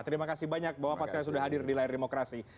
terima kasih banyak bahwa pas kalian sudah hadir di layar demokrasi